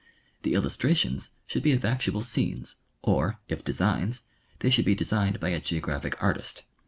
The illus trations should he of actual scenes; or, if designs, they should be designed by a geographic artist.